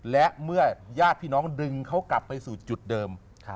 และเมื่อญาติพี่น้องดึงเขากลับไปสู่จุดเดิม